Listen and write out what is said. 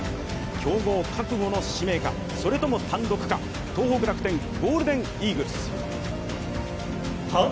競合覚悟の指名か、それとも単独か東北楽天ゴールデンイーグルス。